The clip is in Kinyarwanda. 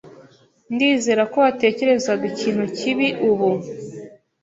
Ndizera ko watekerezaga ikintu kibi ubu.